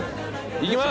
いきます。